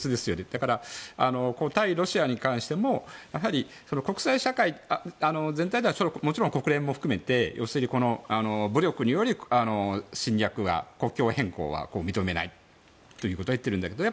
だから、対ロシアに関しても国際社会全体ではもちろん国連も含めて武力による侵略国境変更は認めないということは言っているんだけど。